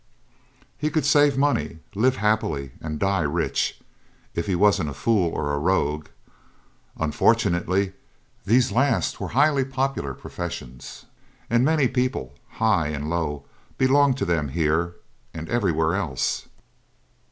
He could save money, live happily, and die rich, if he wasn't a fool or a rogue. Unfortunately, these last were highly popular professions; and many people, high and low, belonged to them here and everywhere else.'